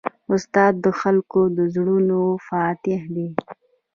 استاد د خلکو د زړونو فاتح دی.